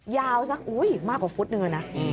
ยาวสักมากกว่าฟุตนึงอะนะ